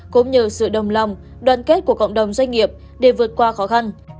cũng nhờ sự đồng lòng đoàn kết của cộng đồng doanh nghiệp để vượt qua khó khăn